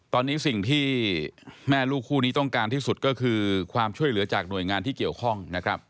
ตอนนี้สิ่งที่แม่ลูกคู่นี้ต้องการที่สุดก็คือความช่วยเหลือจากหน่วยงานที่เกี่ยวข้องนะครับ